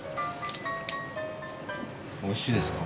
おいしいですか？